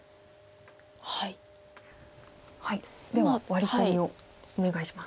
ではワリコミをお願いします。